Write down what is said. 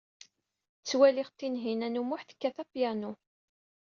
Ttwaliɣ Tinhinan u Muḥ tekkat apyanu.